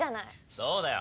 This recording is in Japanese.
そうだよ！